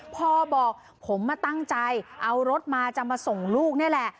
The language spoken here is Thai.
พ่อบอกผมมาตั้งใจเอารถมาจะมาส่งลูกนี่แหละ